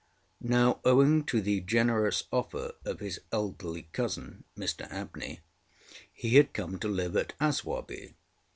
Now, owing to the generous offer of his elderly cousin, Mr Abney, he had come to live at Aswarby.